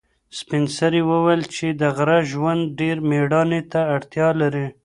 سپین سرې وویل چې د غره ژوند ډېر مېړانې ته اړتیا لري.